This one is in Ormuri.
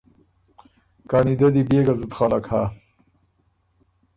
کانی دۀ دی بيې ګه زُت خلق هۀ